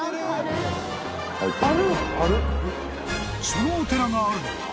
［そのお寺があるのは］